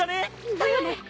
だよね！